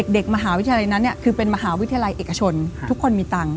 เด็กมหาวิทยาลัยนั้นคือเป็นมหาวิทยาลัยเอกชนทุกคนมีตังค์